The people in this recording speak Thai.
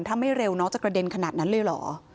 ถ้าไม่เร็วน้องจะกระเด็นขนาดนั้นเลยเหรอ